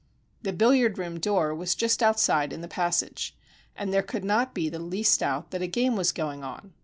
The billiard room door was just outside in the passage, and there could not be the least doubt that a game was going on.